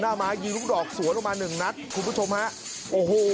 ม้ายิงลูกดอกสวนออกมาหนึ่งนัดคุณผู้ชมฮะโอ้โห